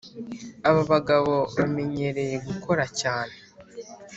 aba bagabo bamenyereye gukora cyane. (